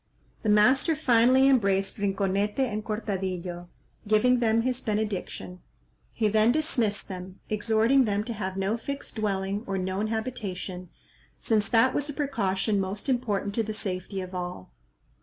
The master finally embraced Rinconete and Cortadillo, giving them his benediction; he then dismissed them, exhorting them to have no fixed dwelling or known habitation, since that was a precaution most important to the safety of all.